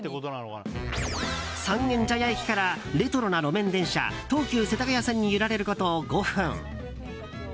三軒茶屋駅からレトロな路面電車東急世田谷線に揺られること５分。